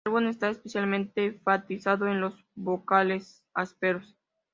El álbum está especialmente enfatizado en los vocales ásperos.